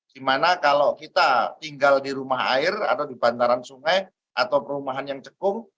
dimana kalau kita tinggal di rumah air atau di bantaran sungai atau perumahan yang cekung